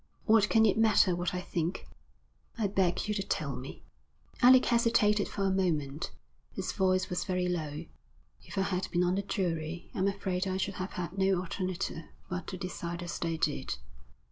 'What can it matter what I think?' 'I beg you to tell me.' Alec hesitated for a moment. His voice was very low. 'If I had been on the jury I'm afraid I should have had no alternative but to decide as they did.'